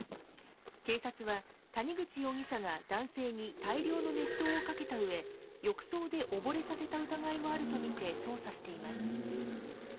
警察は、谷口容疑者が男性に大量の熱湯をかけたうえ、浴槽で溺れさせた疑いもあると見て捜査しています。